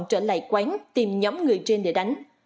trở lại quán tìm nhóm người trên để đánh